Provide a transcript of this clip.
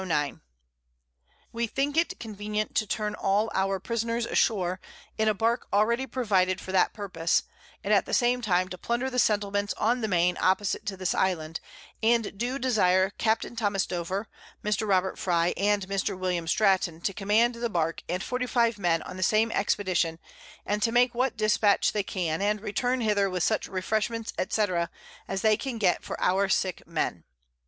_We think it convenient to turn all our Prisoners ashore, in a Bark already provided for that purpose, and at the same time to Plunder the Settlements on the Main opposite to this Island, and do desire Capt._ Thomas Dover, Mr. Robert Fry, and Mr. William Stratton _to command the Bark and 45 Men on the same Expedition, and to make what Dispatch they can, and return hither with such Refreshments, &c. as they can get for our sick Men_.